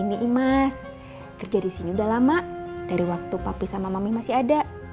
ini imas kerja di sini udah lama dari waktu papi sama mami masih ada